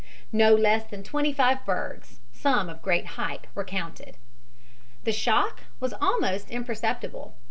No less than twenty five bergs, some of great height, were counted. The shock was almost imperceptible.